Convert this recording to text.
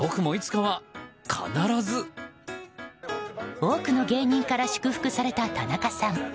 多くの芸人から祝福された田中さん。